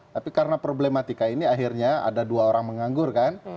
tapi karena problematika ini akhirnya ada dua orang menganggur kan